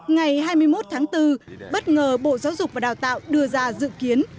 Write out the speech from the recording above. ngày hai mươi một tháng bốn bất ngờ bộ giáo dục và đào tạo đưa ra dự kiến